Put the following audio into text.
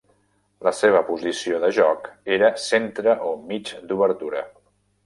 La seva posició de joc era centre o mig d'obertura.